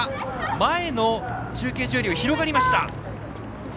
前の中継所よりも広がりました。